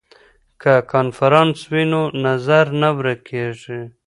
که کنفرانس وي نو نظر نه ورک کیږي.